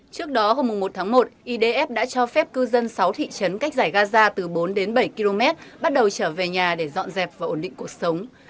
trước đó hôm một tháng một idf đã cho phép cư dân sáu thị trấn cách giải gaza từ bốn đến bảy km bắt đầu trở về nhà để dọn dẹp và ổn định cuộc sống